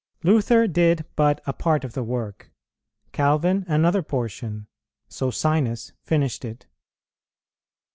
Luther did but a part of the work, Calvin another portion, Socinus finished it.